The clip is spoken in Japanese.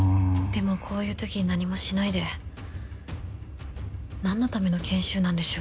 でもこういうときに何もしないで。何のための研修なんでしょう。